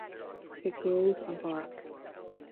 It grows on bark.